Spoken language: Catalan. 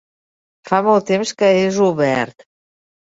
Fa molt temps que és obert!